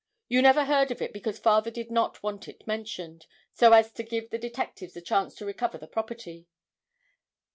You never heard of it because father did not want it mentioned, so as to give the detectives a chance to recover the property.